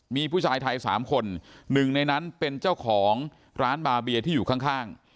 มีผู้ชายไทยสามคนหนึ่งในนั้นเป็นเจ้าของร้านบาเบียที่อยู่ข้าง